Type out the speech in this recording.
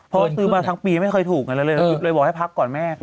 พอซื้อมาทั้งปีไม่เคยถูกเลยบอกให้พักก่อนแม่